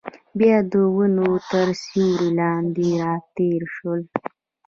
بیا د ونو تر سیوري لاندې راتېر شول.